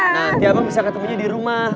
nanti abang bisa ketemunya di rumah